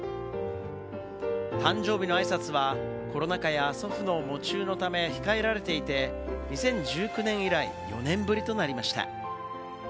誕生日のあいさつはコロナ禍や、祖父の喪中のため控えられていて、２０１９年以来、４年ぶりとなりました。